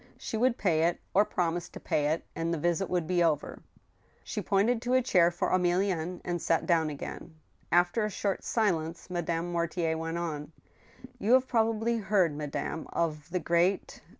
She would pay it, or promise to pay it, and the visit would be over. She pointed to a chair for Emilienne. ^nd sat down again. After a short silence, Madame Mortier went on :" You have probably heard, madame, of the great